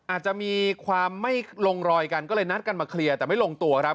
อาจจะมีความไม่ลงรอยกันก็เลยนัดกันมาเคลียร์แต่ไม่ลงตัวครับ